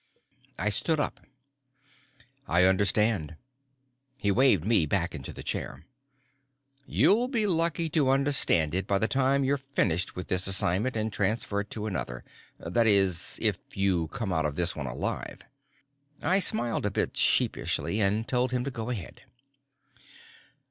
I stood up. "I understand." He waved me back into the chair. "You'll be lucky to understand it by the time you're finished with this assignment and transferred to another ... that is, if you come out of this one alive." I smiled a bit sheepishly and told him to go ahead.